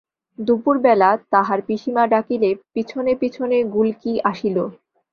দুপুরবেলা তাহার পিসিমা ডাকিলে পিছনে পিছনে গুলকী আসিল!